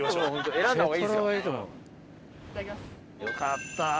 よかった